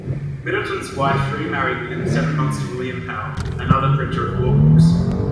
Middleton's wife remarried within seven months to William Powell, another printer of Law books.